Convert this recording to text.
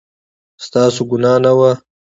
ستاسو ګناه نه وه